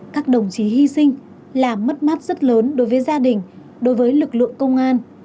các đồng chí hy sinh là mất mát rất lớn đối với gia đình đối với lực lượng công an